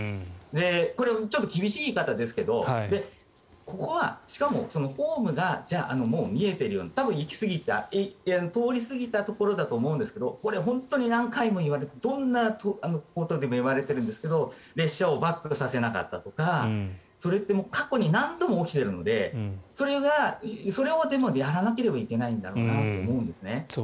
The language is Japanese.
これちょっと厳しい言い方ですがここはしかもホームが見えているような多分通り過ぎたところだと思うんですがこれ、本当に何回もどんなところでも言われているんですが列車をバックさせなかったとかそれは過去に何度も起きているのでそれでもやらなければいけないんだろうなと思うんですね。